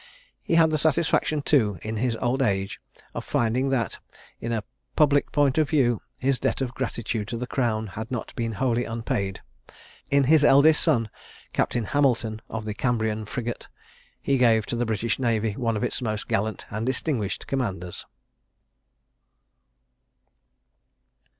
He had the satisfaction, too, in his old age, of finding that, in a public point of view, his debt of gratitude to the Crown had not been wholly unpaid. In his eldest son, Captain Hamilton, of the Cambrian frigate, he gave to the British navy one of its most gallant and distinguished commanders.